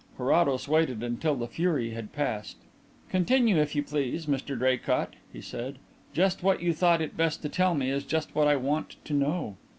Carrados waited until the fury had passed. "Continue, if you please, Mr Draycott," he said. "Just what you thought it best to tell me is just what I want to know."